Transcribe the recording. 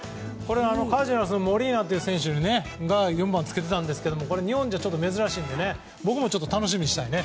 カージナルスのモリーナという選手が４番付けてたんですけど日本じゃちょっと珍しいので僕も楽しみですね。